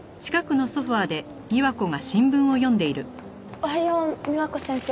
おはよう美和子先生。